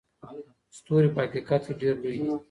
ستوري په حقیقت کې ډېر لوی دي.